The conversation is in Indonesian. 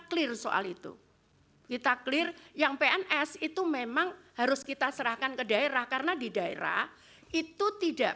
clear soal itu kita clear yang pns itu memang harus kita serahkan ke daerah karena di daerah itu tidak